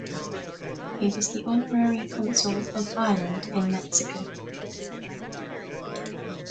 He was the honorary consul of Ireland in Mexico.